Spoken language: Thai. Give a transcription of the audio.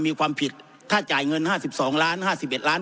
มีความผิดถ้าจ่ายเงินห้าสิบสองล้านห้าสิบเย็นล้าน